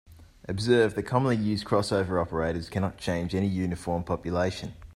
Observe that commonly used crossover operators cannot change any uniform population.